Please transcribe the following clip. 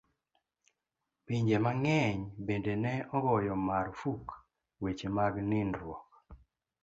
Pinje mang'eny bende ne ogoyo marfuk weche mag nindruok.